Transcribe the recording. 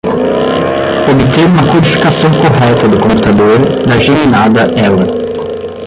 Obter uma codificação correta do computador da geminada ela.